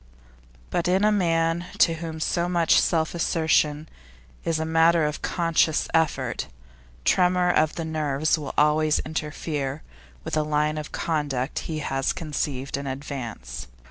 But in a man to whom such self assertion is a matter of conscious effort, tremor of the nerves will always interfere with the line of conduct he has conceived in advance.